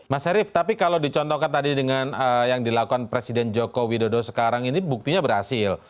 mas arief tapi kalau dicontohkan tadi dengan yang dilakukan presiden joko widodo sekarang ini buktinya berhasil